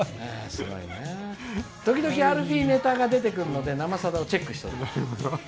時々ＡＬＦＥＥネタが出てくるので「生さだ」をチェックしております」。